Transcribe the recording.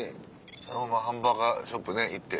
そのままハンバーガーショップね行って。